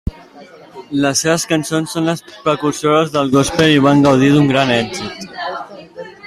Les seves cançons són les precursores del gòspel i van gaudir d'un gran èxit.